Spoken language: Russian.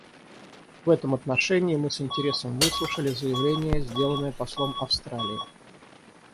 В этом отношении мы с интересом выслушали заявление, сделанное послом Австралии.